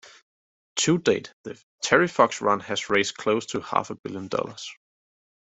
To date, the Terry Fox Run has raised close to half a billion dollars.